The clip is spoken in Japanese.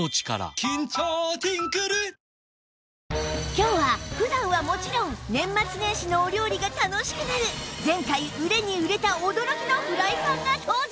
今日は普段はもちろん年末年始のお料理が楽しくなる前回売れに売れた驚きのフライパンが登場！